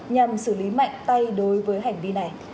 nhằm xử lý mạnh tay đối với hành vi này